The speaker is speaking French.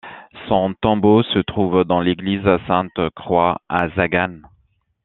Son tombeau se trouve dans l'église Sainte-Croix à Żagań.